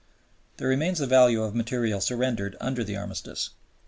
Then remains the value of material surrendered under the Armistice.